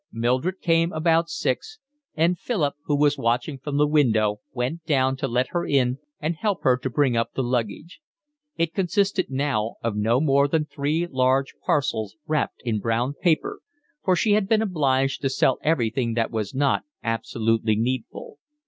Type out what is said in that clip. Mildred came about six, and Philip, who was watching from the window, went down to let her in and help her to bring up the luggage: it consisted now of no more than three large parcels wrapped in brown paper, for she had been obliged to sell everything that was not absolutely needful.